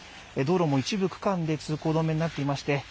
道路も一部区間で通行止めになっていまして